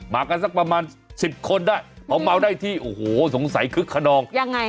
มากันสักประมาณ๑๐คนพร้อมเอาได้ที่โอ้โหสงสัยคือขนอง